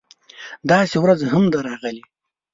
داسې ورځ هم ده راغلې